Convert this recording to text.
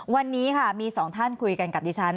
วันนี้ค่ะมีสองท่านคุยกันกับดิฉัน